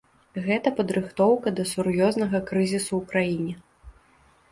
Гэта падрыхтоўка да сур'ёзнага крызісу ў краіне.